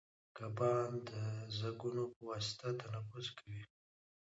کبان د زګونو په واسطه تنفس کوي